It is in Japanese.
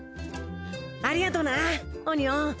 ありがとうなオニオン。